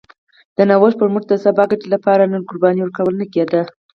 د نوښت پر مټ د سبا ګټې لپاره نن قرباني ورکول نه کېده